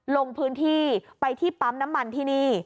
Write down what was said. ลงพื้นที่ไปที่ปั๊มน้ำมันที่นี่